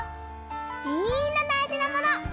みんなだいじなもの！